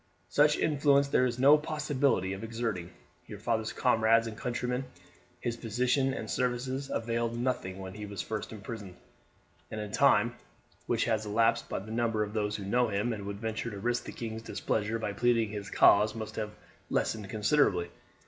"Such influence there is no possibility of our exerting. Your father's comrades and countrymen, his position and services, availed nothing when he was first imprisoned; and in the time which has elapsed the number of those who know him and would venture to risk the king's displeasure by pleading his cause must have lessened considerably.